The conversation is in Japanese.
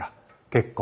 結婚。